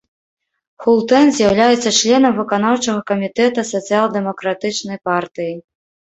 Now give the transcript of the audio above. Хултэн з'яўляецца членам выканаўчага камітэта сацыял-дэмакратычнай партыі.